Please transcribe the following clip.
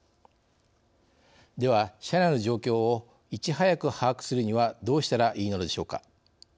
では車内の状況をいち早く把握するにはどうしたらいいのでしょうか。